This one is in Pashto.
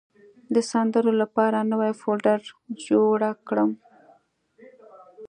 د سندونو لپاره نوې فولډر جوړه کړم.